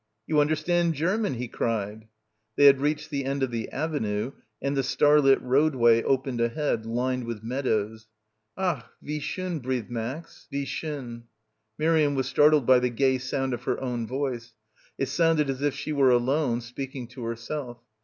"You understand German !" he cried. They had reached the end of the avenue and the starlit roadway opened ahead, lined with meadows. "Ach, wie schon," breathed Max. "Wie schon." Miriam was startled by the gay sound of her own voice. It sounded as if she were alone, speaking to herself.